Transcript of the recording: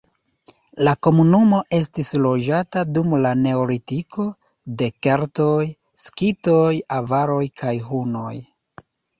La komunumo estis loĝata dum la neolitiko, de keltoj, skitoj, avaroj kaj hunoj.